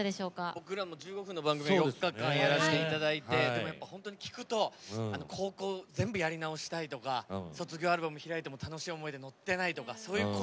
僕らも１５分の番組を４日間やらせていただいて本当に聴くと高校全部やり直したいとか卒業アルバム見直しても楽しい思い出が載ってないとかそういう声